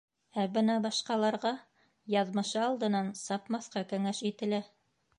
Ә бына башҡаларға яҙмышы алдынан сапмаҫҡа кәңәш ителә.